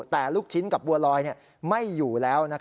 แต่ลูกชิ้นกับบัวลอยไม่อยู่แล้ว